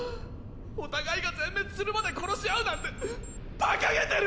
お互いが全滅するまで殺し合うなんてバカげてる！